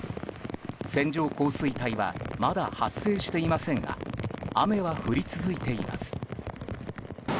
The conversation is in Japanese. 線状降水帯はまだ発生していませんが雨は降り続いています。